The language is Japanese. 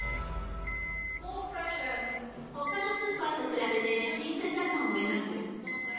ほかのスーパーと比べて新鮮だと思います。